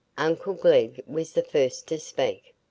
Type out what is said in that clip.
Uncle Glegg was the first to speak.